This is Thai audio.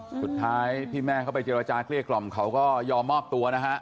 สุดท้ายที่แม่เข้าไปเจรจาเกลี้ยกล่อมเขาก็ยอมมอบตัวนะฮะ